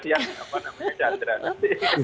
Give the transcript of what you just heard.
apa namanya jadrah